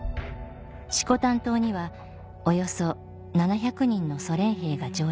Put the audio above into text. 色丹島にはおよそ７００人のソ連兵が上陸しました